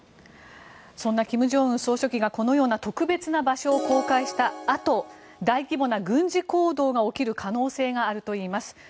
そんな金正恩総書記がこのような特別な場所を公開したあと大規模な軍事行動が起きる可能性があるといいます。